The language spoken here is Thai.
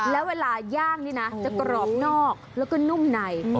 แล้วเวลาย่างนี่นะจะกรอบนอกแล้วก็นุ่มใน